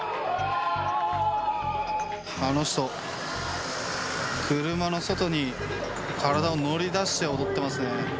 あの人、車の外に体を乗り出して踊ってますね。